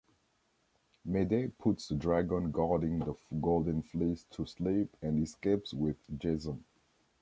Médée puts the dragon guarding the Golden Fleece to sleep and escapes with Jason.